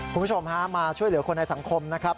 คุณผู้ชมฮะมาช่วยเหลือคนในสังคมนะครับ